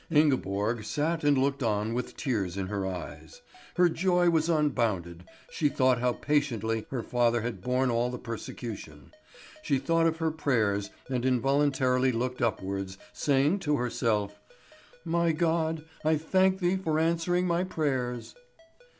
Ingeborg sat and looked on with tears in her eyes. Her joy was unbounded, she thought how patiently her father had borne all the persecution; she thought of her prayers, and involuntarily looked upwards, saying to herself: "My God, I thank Thee for answering my prayers."